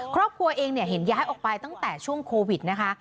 ครอบครัวเองเห็นย้ายออกไปตั้งแต่ช่วงโควิดนะคะ